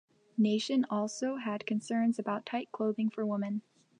Nation also had concerns about tight clothing for women.